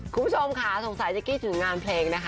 คุณผู้ชมค่ะสงสัยจะกี้ถึงงานเพลงนะคะ